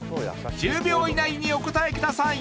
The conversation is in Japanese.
１０秒以内にお答えください